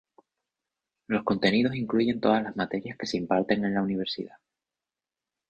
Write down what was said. Los contenidos incluyen todas las materias que se imparten en la Universidad.